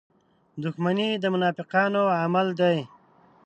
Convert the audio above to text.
• دښمني د منافقانو عمل دی.